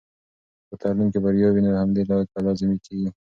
که په تعلیم کې بریا وي، نو همدې ته لازمي کیږي.